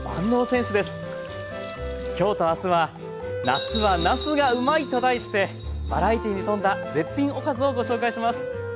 今日と明日は「夏はなすがうまい！」と題してバラエティーに富んだ絶品おかずをご紹介します。